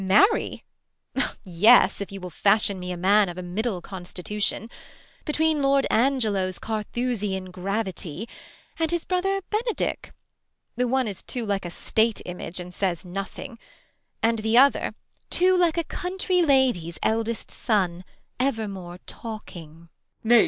Beat. Marry ? yes, if you will ftishion me a man Of a middle constitution, between Lord Angelo's Carthusian gravity And his brother Benedick ; the one is Too like a State image and says nothing ; And the other, too like a country lady's Eldest son, evermore talking.